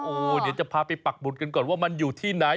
โอ้โหเดี๋ยวจะพาไปปักบุตรกันก่อนว่ามันอยู่ที่ไหน